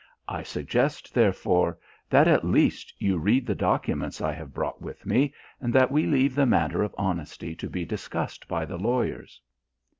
I suggest, therefore, that at least you read the documents I have brought with me, and that we leave the matter of honesty to be discussed by the lawyers."